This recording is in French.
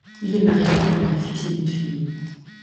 Il est marié et père d'un fils et une fille.